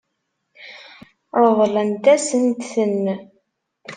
Ṛeḍlent-asent-ten.